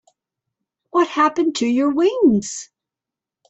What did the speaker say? What happened to your wings?